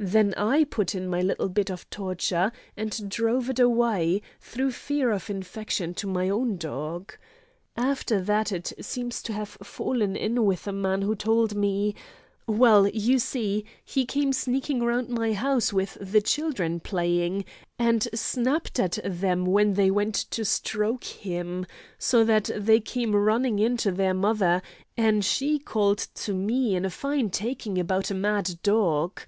Then I put in my little bit of torture, and drove it away, through fear of infection to my own dog. After that it seems to have fallen in with a man who told me: 'Well, you see, he came sneakin' round my house, with the children playin', and snapped at them when they went to stroke him, so that they came running in to their mother, an' she' called to me in a fine takin' about a mad dog.